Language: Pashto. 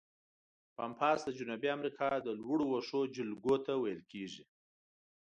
پامپاس د جنوبي امریکا د لوړو وښو جلګو ته ویل کیږي.